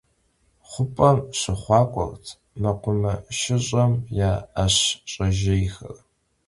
Xhup'em şıxhuak'uert mekhumeşış'exem ya 'eş ş'ejêyxer.